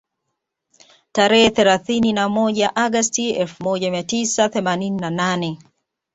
Tarehe thelathini na moja Agosti elfu moja mia tisa themanini na nane